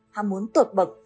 ham muốn tuột bậc